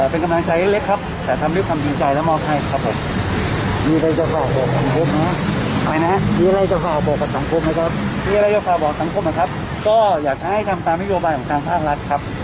เห็นกำลังใช้เล็กครับแต่ทำริกทำจิตจ่ายและมอบให้ครับ